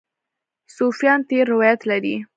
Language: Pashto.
صوفیان تېر روایت لري.